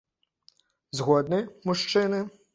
Згодны, мужчыны?..